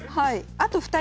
あと２人。